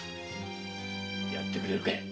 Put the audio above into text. やってくれるかい。